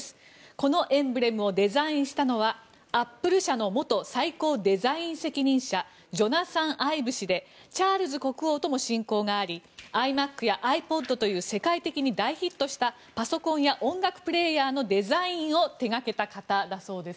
このエンブレムをデザインしたのはアップル社の元最高デザイン責任者ジョナサン・アイブ氏でチャールズ国王とも親交がありｉＭａｃやｉＰｏｄという世界的に大ヒットしたパソコンや音楽プレーヤーのデザインを手がけた方だそうです。